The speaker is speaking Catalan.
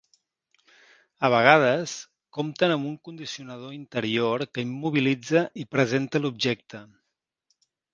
A vegades, compten amb un condicionador interior que immobilitza i presenta l'objecte.